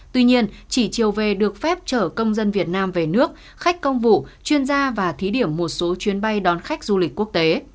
tuy nhiên chỉ chiều về được phép chở công dân việt nam về nước khách công vụ chuyên gia và thí điểm một số chuyến bay đón khách du lịch quốc tế